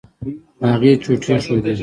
هغې چوټې ښودې.